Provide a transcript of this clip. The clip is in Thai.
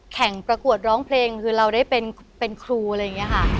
แข่งประกวดร้องเพลงคือเราได้เป็นเป็นครูอะไรอย่างเงี้ยค่ะครับ